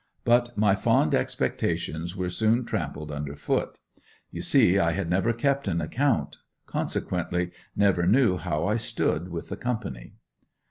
But my fond expectations were soon trampled under foot. You see I had never kept an account, consequently never knew how I stood with the company.